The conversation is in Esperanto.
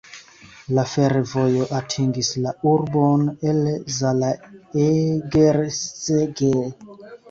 La fervojo atingis la urbon el Zalaegerszeg.